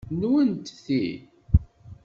Nwent ti?